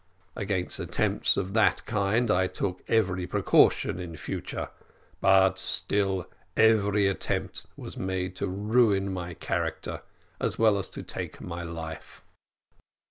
"Against attempts of that kind I took every precaution in future, but still every attempt was made to ruin my character, as well as to take my life.